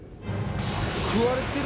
食われてる。